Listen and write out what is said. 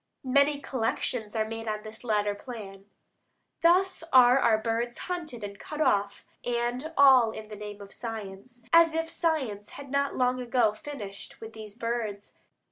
Many collections are made on this latter plan. Thus are our birds hunted and cut off and all in the name of science; as if science had not long ago finished with these birds.